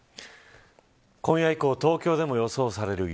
今夜以降東京でも予想される雪。